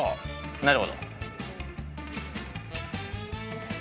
なるほど。